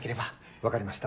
分かりました。